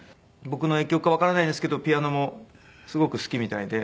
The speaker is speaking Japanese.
僕の影響かわからないですけどピアノもすごく好きみたいで。